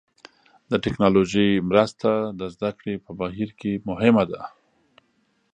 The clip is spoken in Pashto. د ټکنالوژۍ مرسته د زده کړې په بهیر کې مهمه ده.